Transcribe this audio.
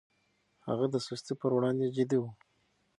هغه د سستي پر وړاندې جدي و.